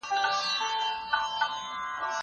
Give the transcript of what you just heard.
زه اجازه لرم چي کتاب واخلم؟